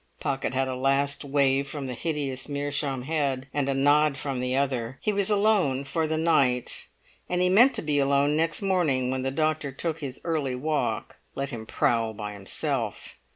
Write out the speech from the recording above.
Pocket had a last wave from the hideous meerschaum head, and a nod from the other. He was alone for the night. And he meant to be alone next morning when the doctor took his early walk; let him prowl by himself.